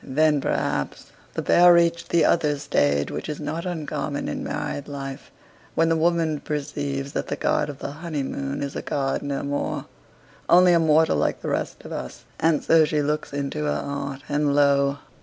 Then, perhaps, the pair reached that other stage which is not uncommon in married life, when the woman perceives that the god of the honeymoon is a god no more; only a mortal like the rest of us and so she looks into her heart, and lo!